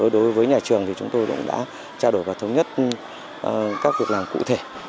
đối với nhà trường thì chúng tôi cũng đã trao đổi và thống nhất các việc làm cụ thể